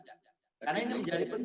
karena ini menjadi penting